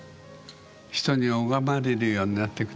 人に拝まれるようになって下さいね。